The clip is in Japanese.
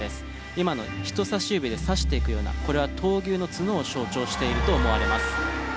今の人さし指でさしていくようなこれは闘牛の角を象徴していると思われます。